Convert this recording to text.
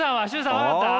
崇さん分かった？